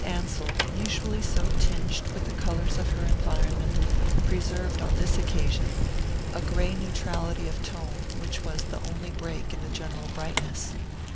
Ansell, usually so tinged with the colours of her environment, preserved on this occasion a grey neutrality of tone which was the only break in the general brightness.